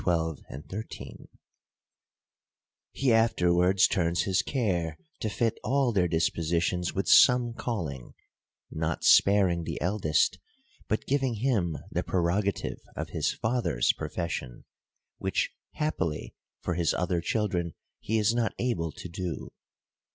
12, 13), — he afterwards turns his care to fit all their dispositions with some calling ; not sparing the eldest, but giving him 26 THE COUNTRY PARSON. the prerogative of his father's profession, which happily for his other children he is not able to do.